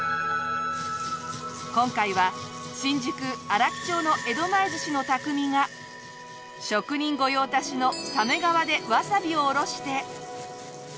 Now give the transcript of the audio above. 今回は新宿荒木町の江戸前寿司の匠が職人御用達の鮫皮でわさびをおろして。